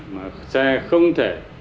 mà xe không thể